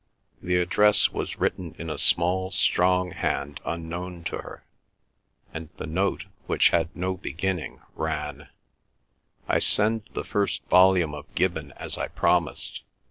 The address was written in a small strong hand unknown to her, and the note, which had no beginning, ran:— I send the first volume of Gibbon as I promised.